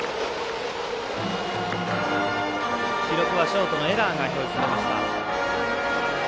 記録はショートのエラーが表示されました。